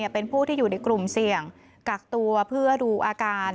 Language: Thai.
เป็นผู้ที่อยู่ในกลุ่มเสี่ยงกักตัวเพื่อดูอาการ